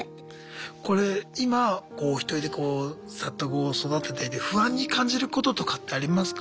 これ今おひとりでこう里子を育てていて不安に感じることとかってありますか？